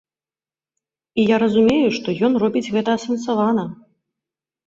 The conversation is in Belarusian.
І я разумею, што ён робіць гэта асэнсавана.